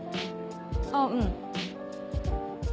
あぁうん。